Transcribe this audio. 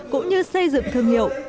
cũng như xây dựng thương hiệu